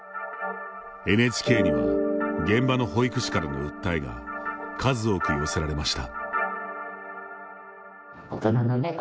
ＮＨＫには、現場の保育士からの訴えが、数多く寄せられました。